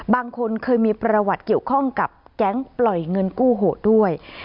บางคนเคยมีประวัติเกี่ยวข้องกับแก๊งปล่อยเงินกู้โหดด้วย